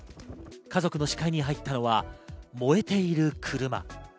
家族の視界に入ったのは燃えている車。